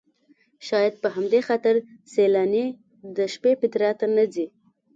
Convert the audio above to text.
شاید په همدې خاطر سیلاني د شپې پیترا ته نه ځي.